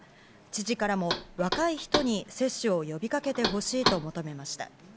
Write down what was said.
知事からも若い人に接種を呼びかけてほしいと求めました。